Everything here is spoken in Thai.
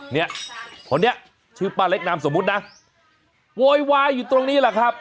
เนี่ยคนนี้ชื่อป้าเล็กนามสมมุตินะโวยวายอยู่ตรงนี้แหละครับ